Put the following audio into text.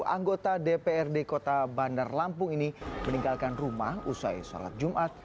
sepuluh anggota dprd kota bandar lampung ini meninggalkan rumah usai sholat jumat